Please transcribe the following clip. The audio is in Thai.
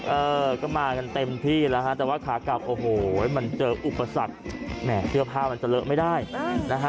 เออก็มากันเต็มที่แล้วฮะแต่ว่าขากลับโอ้โหมันเจออุปสรรคแหม่เสื้อผ้ามันจะเลอะไม่ได้นะฮะ